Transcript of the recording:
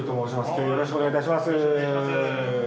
今日よろしくお願いいたします。